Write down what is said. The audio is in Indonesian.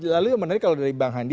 lalu yang menarik kalau dari bang handi